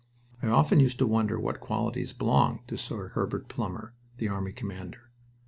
I often used to wonder what qualities belonged to Sir Herbert Plumer, the army commander.